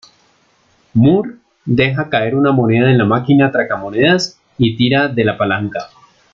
Moore deja caer una moneda en la máquina tragamonedas y tira de la palanca.